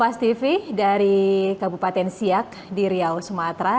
masih di vvip kompas tv dari kabupaten siak di riau sumatera